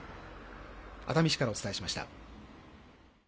熱海市からお伝えしました。